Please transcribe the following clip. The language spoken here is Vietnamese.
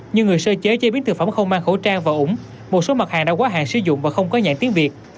như người sơ chế chế biến thực phẩm không mang khẩu trang và ủng một số mặt hàng đã quá hạn sử dụng và không có nhãn tiếng việt